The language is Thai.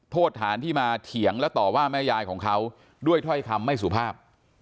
โทษฐานที่มาเถียงและต่อว่าแม่ยายของเขาด้วยถ้อยคำไม่สุภาพ